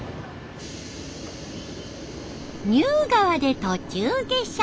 丹生川で途中下車。